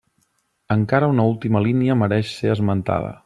Encara una última línia mereix ser esmentada.